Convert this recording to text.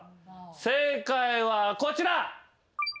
正解はこちら。